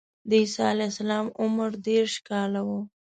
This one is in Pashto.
د عیسی علیه السلام عمر دېرش کاله و.